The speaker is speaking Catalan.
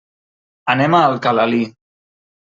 Anem a Alcalalí.